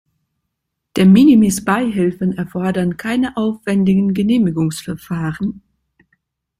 De-minimis-Beihilfen erfordern keine aufwändigen Genehmigungsverfahren.